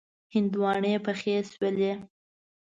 هندواڼی پخې شولې.